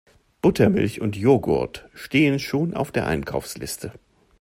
Buttermilch und Jogurt stehen schon auf der Einkaufsliste.